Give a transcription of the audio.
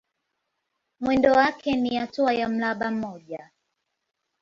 Mwendo wake ni hatua ya mraba mmoja.